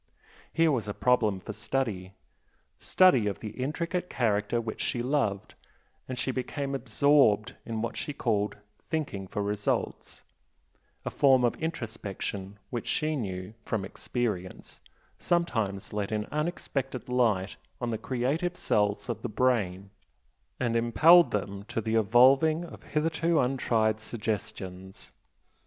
Here was a problem for study, study of the intricate character which she loved and she became absorbed in what she called "thinking for results," a form of introspection which she knew, from experience, sometimes let in unexpected light on the creative cells of the brain and impelled them to the evolving of hitherto untried suggestions.